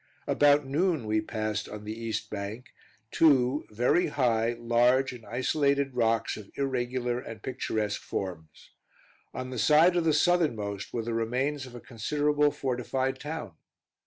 About noon we passed, on the east bank, two very high, large and isolated rocks of irregular and picturesque forms. On the side of the southernmost were the remains of a considerable fortified town.